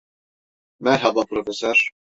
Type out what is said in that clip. Merhaba Profesör.